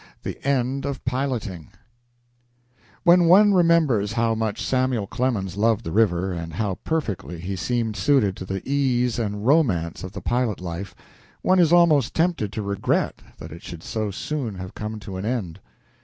THE END OF PILOTING When one remembers how much Samuel Clemens loved the river, and how perfectly he seemed suited to the ease and romance of the pilot life, one is almost tempted to regret that it should so soon have come to an end.